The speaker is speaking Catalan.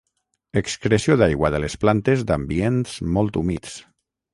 Excreció d'aigua de les plantes d'ambients molt humits.